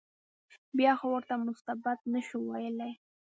بیا خو ورته مستبد نه شو ویلای.